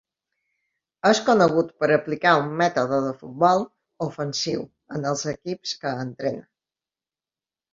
És conegut per aplicar un mètode de futbol ofensiu en els equips que entrena.